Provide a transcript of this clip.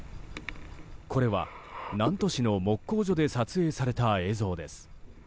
これは南砺市の木工所で撮影された映像です。